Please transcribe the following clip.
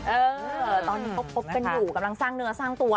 เออตอนนี้เขาคบกันอยู่กำลังสร้างเนื้อสร้างตัว